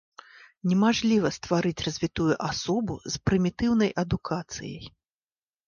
Немажліва стварыць развітую асобу з прымітыўнай адукацыяй!